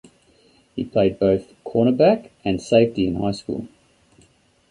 He played both cornerback and safety in high school.